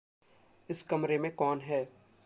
इस कमरे में कौन है?